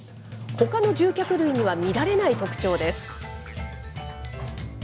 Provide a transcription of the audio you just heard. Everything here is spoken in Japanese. ほかの獣脚類には見られない特徴です。